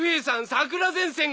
桜前線が。